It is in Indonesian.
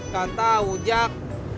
gak tau jak